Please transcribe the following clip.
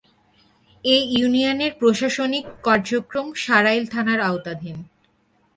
এ ইউনিয়নের প্রশাসনিক কার্যক্রম সরাইল থানার আওতাধীন।